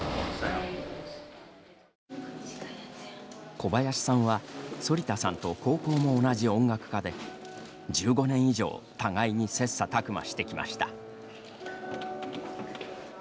小林さんは、反田さんと高校も同じ音楽科で、１５年以上互いに切さたく磨してきました。